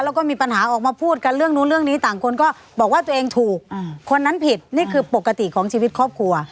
แล้วก็มีปัญหาออกมาพูดกันเรื่องนู้นเรื่องนี้ต่างคนก็บอกว่าตัวเองถูกคนนั้นผิดนี่คือปกติของชีวิตครอบครัว